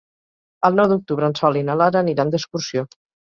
El nou d'octubre en Sol i na Lara aniran d'excursió.